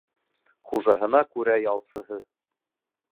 Хужаһына күрә ялсыһы.